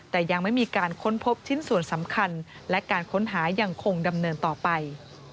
แต่ยังไม่มีการค้นพบชิ้นส่วนสำคัญและการค้นหายังคงดำเนินต่อไป